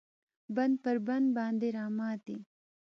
بند پر بند باندې راماتی